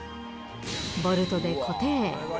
ボルトで固定。